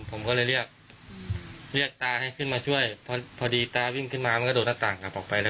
ผมก็เลยเรียกเยอะตาให้ขึ้นมาช่วยพอดีตาวิ่งขึ้นมาเมลดกระต่อหน้าตักกับออกไปละ